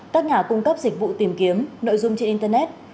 các nhà cung cấp dịch vụ tìm kiếm nội dung trên internet